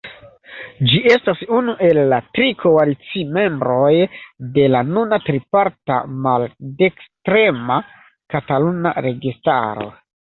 Ĝi estas unu el la tri koalicimembroj de la nuna triparta maldekstrema kataluna registaro.